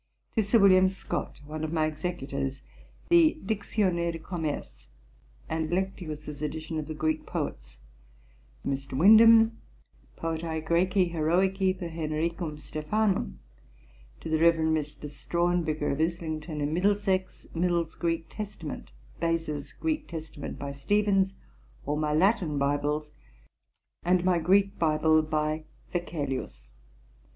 To Dr. William Scott, one of my Executors, the Dictionnaire de Commerce, and Lectius's edition of the Greek poets. To Mr. Windham [F 4], Poetae Graeci Heroici per Henricum Stephanum. To the Rev. Mr. Strahan, vicar of Islington, in Middlesex, Mill's Greek Testament, Beza's Greek Testament, by Stephens, all my Latin Bibles, and my Greek Bible, by Wechelius.